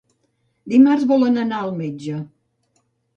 Dimarts volen anar al metge.